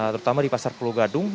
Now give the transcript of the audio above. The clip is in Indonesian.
terutama di pasar pulau gadung